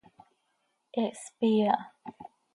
He hspii aha.